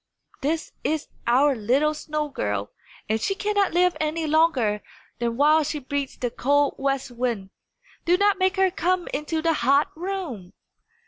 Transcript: This is our little snow girl, and she cannot live any longer than while she breathes the cold west wind. Do not make her come into the hot room!"